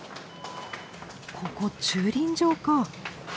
ここ駐輪場か。